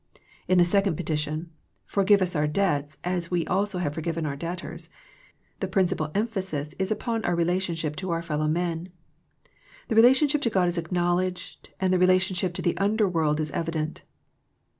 In the second petition, " Forgive us our debts as we also have forgiven our debtors," the principal emphasis is upon our relationship to our fellow men. The relationship to God is acknowledged and the relationship to the under world is evi dent.